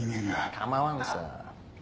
構わんさ。